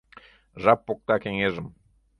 Жап покта кеҥежым